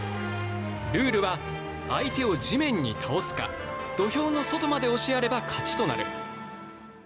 ルールは相手を地面に倒すか土俵の外まで押しやれば勝ちとなる。